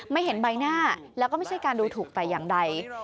ไม่เห็นใบหน้าแล้วก็ไม่ใช่การดูถูกแต่อย่างใด